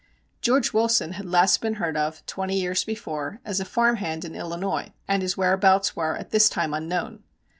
George Wilson had last been heard of, twenty years before, as a farmhand, in Illinois, and his whereabouts were at this time unknown.